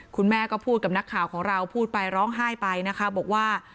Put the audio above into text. คุณแม่ก็พูดกับนักข่าวของเราพูดไปร้องไห้ไปนะคะบอกว่า